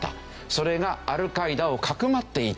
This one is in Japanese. それがアルカイダをかくまっていた。